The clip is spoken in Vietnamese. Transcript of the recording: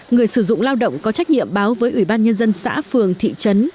người sử dụng lao động có trách nhiệm báo với ủy ban nhân dân xã phường thị trấn